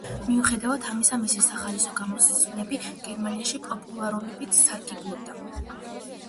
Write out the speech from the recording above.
მიუხედავად ამისა მისი სახალხო გამოსვლები გერმანიაში პოპულარობით სარგებლობდა.